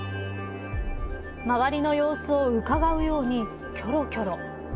周りの様子をうかがうようにきょろきょろ。